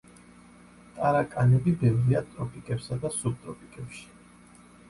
ტარაკანები ბევრია ტროპიკებსა და სუბტროპიკებში.